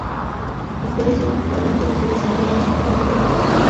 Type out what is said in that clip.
Los flores son fragantes y se desarrollan en las ramas frondosas.